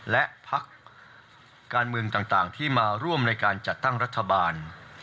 และพักการเมืองต่างที่มาร่วมในการจัดตั้งรัฐบาล